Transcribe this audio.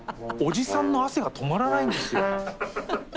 おじさんの汗が止まらないんですよ。